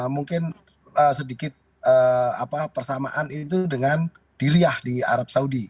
mungkin sedikit persamaan itu dengan diriyah di arab saudi